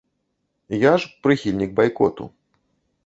Я ж прыхільнік байкоту.